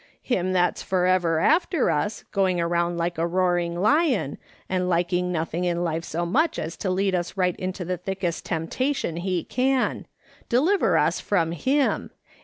Him that's for ever after us, going around like a roaring lion, and liking nothing in life so much as to lead us right into the thickest tempta tion he can. Deliver us from him.'